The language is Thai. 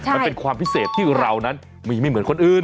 มันเป็นความพิเศษที่เรานั้นมีไม่เหมือนคนอื่น